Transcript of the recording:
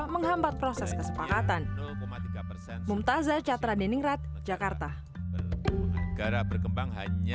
menghambat proses kesepakatan